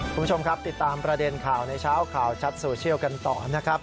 คุณผู้ชมครับติดตามประเด็นข่าวในเช้าข่าวชัดโซเชียลกันต่อนะครับ